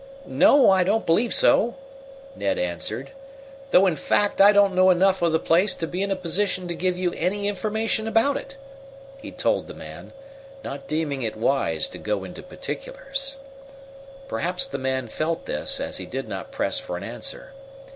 "No, I don't believe so," Ned answered; "though, in fact, I don't know enough of the place to be in a position to give you any information about it," he told the man, not deeming it wise to go into particulars. Perhaps the man felt this, as he did not press for an answer.